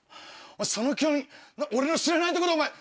そのキヨミ俺の知らないとこでお前。